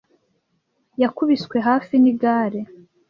Yakubiswe hafi nigare.